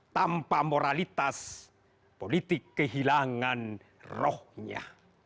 tanpa moralitas politik kehilangan rohnya